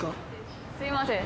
すいません。